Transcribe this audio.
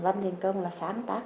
văn đình công là sáng tác